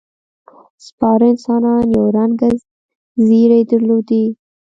سپاره انسانان یو رنګه ځېرې درلودې.